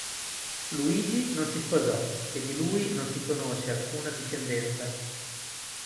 Luigi non si sposò e di lui non si conosce alcune discendenza.